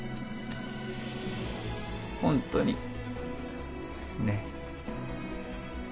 本当に、ね。